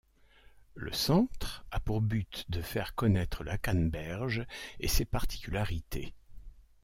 Le centre a pour but de faire connaître la canneberge et ses particularités.